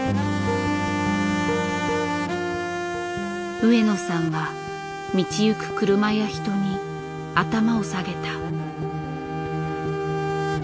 上野さんは道行く車や人に頭を下げた。